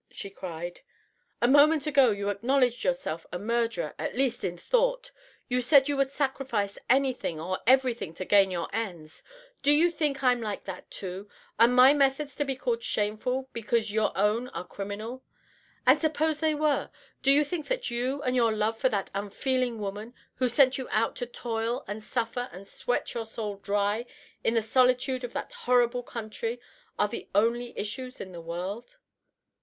she cried. "A moment ago you acknowledged yourself a murderer at least in thought; you said you would sacrifice anything or everything to gain your ends. Do you think I'm like that, too? Are my methods to be called shameful because your own are criminal? And suppose they were! Do you think that you and your love for that unfeeling woman, who sent you out to toil and suffer and sweat your soul dry in the solitude of that horrible country, are the only issues in the world?"